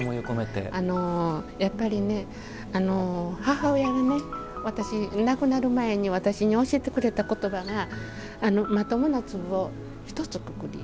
やっぱり、母親が亡くなる前に私に教えてくれた言葉がまともな粒を１つ、くくり。